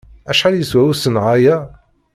Acḥal yeswa usenɣay-a?